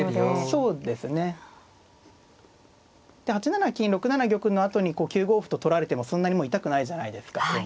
８七金６七玉のあとに９五歩と取られてもそんなにもう痛くないじゃないですか桂馬は。